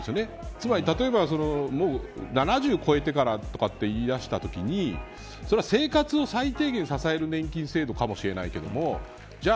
つまり、例えば７０を超えてからと言いだしたときにそれは生活を最低限支える年金制度かもしれないけれどもじゃあ